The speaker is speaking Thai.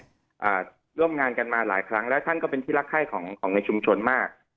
อ่าร่วมงานกันมาหลายครั้งแล้วท่านก็เป็นที่รักไข้ของของในชุมชนมาก